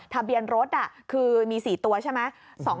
ทะเบียนรถคือมี๔ตัวใช่ไหม